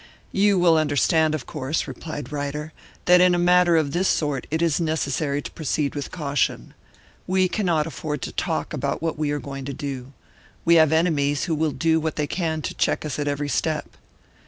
"You will understand, of course," replied Ryder, "that in a matter of this sort it is necessary to proceed with caution. We cannot afford to talk about what we are going to do. We have enemies who will do what they can to check us at every step."